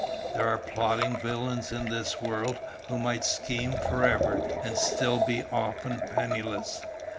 There are plotting villains in this world, who might scheme forever and still be often penniless.